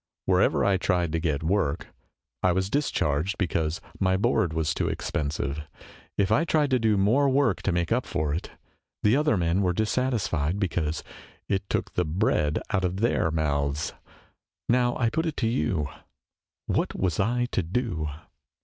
Wherever I tried to get work, I was discharged, because my board was too expensive. If I tried to do more work to make up for it, the other men were dissatisfied, because it took the bread out of their mouths. Now, I put it to you, what was I to do